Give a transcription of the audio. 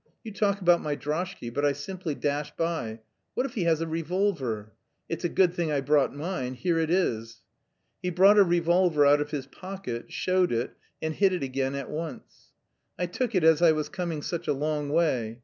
You talk about my droshky, but I simply dashed by.... What if he has a revolver? It's a good thing I brought mine. Here it is." He brought a revolver out of his pocket, showed it, and hid it again at once. "I took it as I was coming such a long way....